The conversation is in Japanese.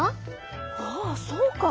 あぁそうか！